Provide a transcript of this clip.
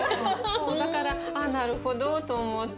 だから「あっなるほど」と思って。